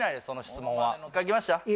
その質問は書きました？